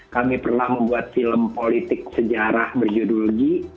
kami pernah membuat film politik sejarah berjudul g